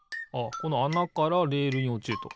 このあなからレールにおちると。